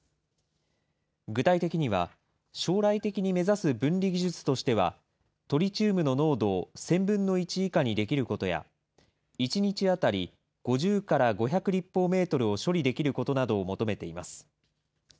具体的には、将来的に目指す分離技術としては、トリチウムの濃度を１０００分の１以下にできることや、１日当たり５０から５００立方メートルを処理できることなどを求めています。